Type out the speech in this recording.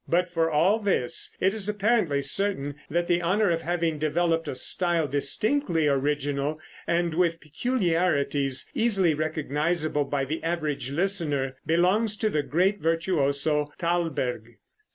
But for all this, it is apparently certain that the honor of having developed a style distinctly original, and with peculiarities easily recognizable by the average listener, belongs to the great virtuoso Thalberg.